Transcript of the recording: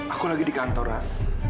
aku lagi di kantor ras